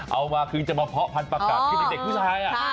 เอามาคือจะมาเพาะพันธักคือเด็กผู้ชาย